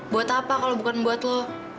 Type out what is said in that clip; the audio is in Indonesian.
buat apa kalau bukan buat lo